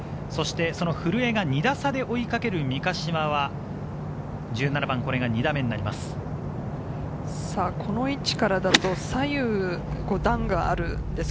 その古江が２打差で追いかける三ヶ島は１７番、これが２打目です。